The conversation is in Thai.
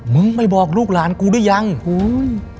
มึงไม่บอกลูกหลานกูได้ยังหูย